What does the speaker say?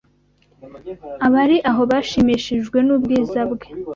Abari aho bashimishijwe n'ubwiza bwe.